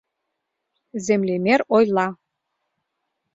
Землемер ойла: